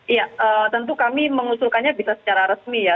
iya tentu kami mengusulkannya bisa secara resmi ya